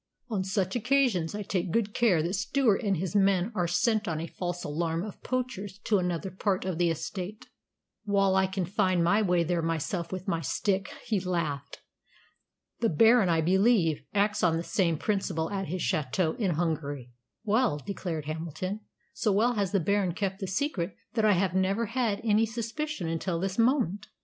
On such occasions I take good care that Stewart and his men are sent on a false alarm of poachers to another part of the estate, while I can find my way there myself with my stick," he laughed. "The Baron, I believe, acts on the same principle at his château in Hungary." "Well," declared Hamilton, "so well has the Baron kept the secret that I have never had any suspicion until this moment.